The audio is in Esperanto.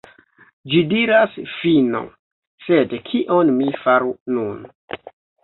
Ĝi diras "fino", sed kion mi faru nun?